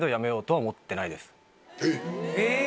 えっ！